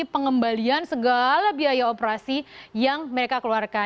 pengembalian segala biaya operasi yang mereka keluarkan